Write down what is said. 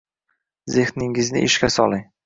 Zehningizni ishga soling